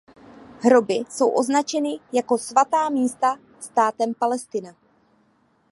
Hroby jsou označeny jako svatá místa Státem Palestina.